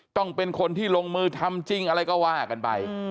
ต้องเป็นคนที่ลงมือทำจริงอะไรก็ว่ากันไป